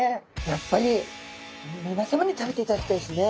やっぱりみなさまに食べていただきたいですね。